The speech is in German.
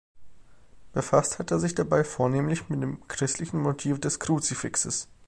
Befasst hat er sich dabei vornehmlich mit dem christlichen Motiv des Kruzifixes.